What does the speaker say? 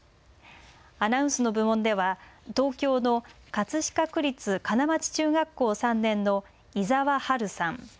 アナウンスの部門では東京の葛飾区立金町中学校３年の井澤羽琉さん。